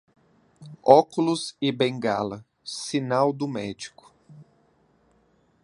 Óculos e bengala, sinal do médico.